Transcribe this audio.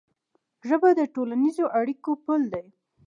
ژبه د ټولنیزو اړیکو پل دی.